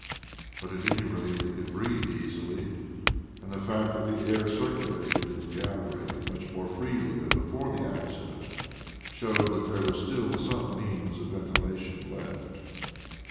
But at any rate they could breathe easily, and the fact that the air circulated in the gallery much more freely than before the accident, showed that there was still some means of ventilation left.